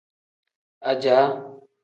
Ajaa.